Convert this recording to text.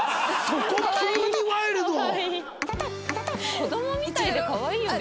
子供みたいでかわいいよね